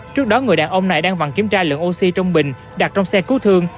trước đó người đàn ông này đang vặn kiểm tra lượng oxy trong bình đặt trong xe cứu thương